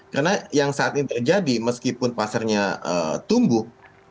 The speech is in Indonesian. karena yang saat ini terjadi meskipun pasarnya tumbuh